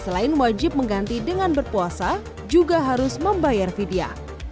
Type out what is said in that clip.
selain wajib mengganti dengan berpuasa juga harus membayar vidya